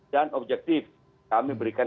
dan objektif kami berikan